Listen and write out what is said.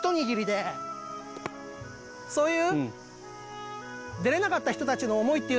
そういう。